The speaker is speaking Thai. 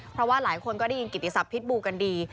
เพราะว่าหลายคนก็ได้ยินกิติศัพพิษบูกันดี